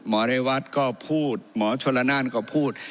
เรวัตก็พูดหมอชนละนานก็พูด